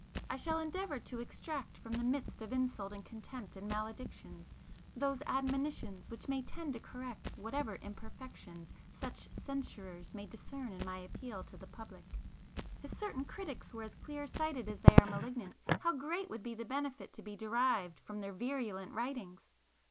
I shall endeavour to extract from the midst of insult and contempt and maledictions, those admonitions which may tend to correct whatever imperfections such censurers may discern in my appeal to the Public. If certain Critics were as clear sighted as they are malignant, how great would be the benefit to be derived from their virulent writings!